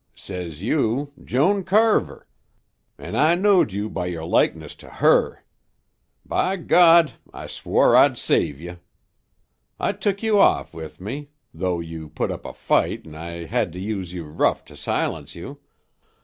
Says you, 'Joan Carver'; an' I knowed you by yer likeness to her. By God! I swore I'd save ye. I tuk you off with me, though you put up a fight an' I hed to use you rough to silence you.